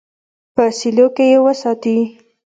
په سیلو کې یې وساتي.